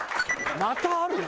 「またあるよ」。